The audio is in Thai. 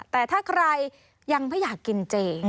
แต่ถ้าใครยังไม่อยากกินเจ